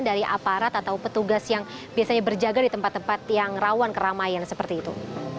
dari aparat atau petugas yang biasanya berjaga di tempat tempat yang rawan keramaian seperti itu